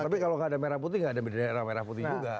tapi kalau nggak ada merah putih nggak ada beda daerah merah putih juga